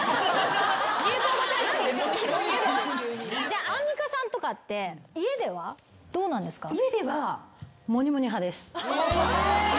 じゃあアンミカさんとか家ではどうなんですか？